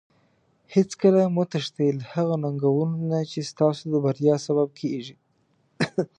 هیڅکله مه تښتي له هغو ننګونو نه چې ستاسو د بریا سبب کیږي.